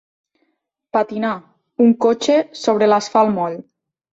Patinar, un cotxe, sobre l'asfalt moll.